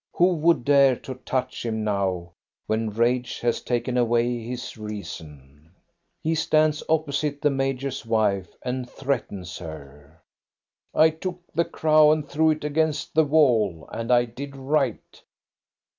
Who would dare to touch him now, when rage has taken away his reason ? He stands opposite the major's wife and threatens her. " I took the crow and threw it against the wall. And I did right."